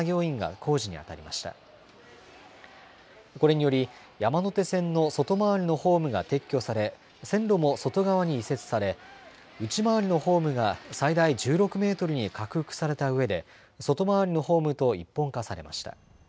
これにより、山手線の外回りのホームが撤去され、線路も外側に移設され、内回りのホームが最大１６メートルに拡幅されたうえで、外回りのホームと一本化されました。